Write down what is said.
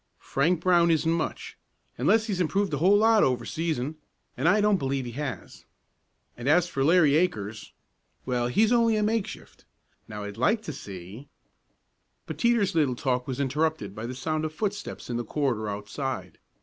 Frank Brown isn't much, unless he's improved a whole lot over season, and I don't believe he has. And as for Larry Akers well, he's only a makeshift. Now, I'd like to see " But Teeter's little talk was interrupted by the sound of footsteps in the corridor outside.